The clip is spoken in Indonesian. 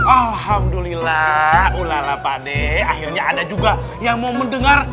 alhamdulillah ulala pade akhirnya ada juga yang mau mendengar